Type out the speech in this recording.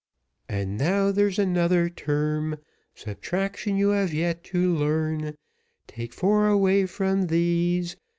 "And now there is another term, Subtraction you have yet to learn; Take four away from these."